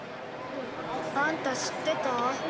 あんた知ってた？